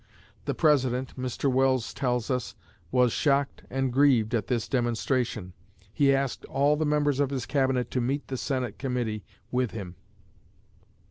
The President, Mr. Welles tells us, was "shocked and grieved" at this demonstration. He asked all the members of his Cabinet to meet the Senate committee with him.